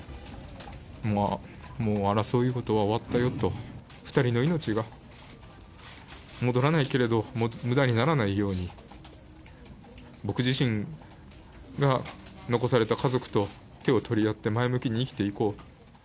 もう、争いごとは終わったよと、２人の命は戻らないけれど、むだにならないように、僕自身が残された家族と手を取り合って前向きに生きていこうと。